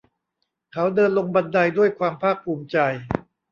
เขาเดินลงบันไดด้วยความภาคถูมิใจ